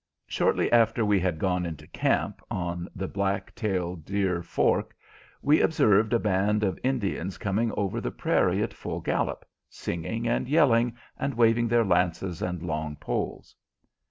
Shortly after we had gone into camp, on the Black Tail Deer Fork, we observed a band of Indians coming over the prairie at full gallop, singing and yelling and waving their lances and long poles.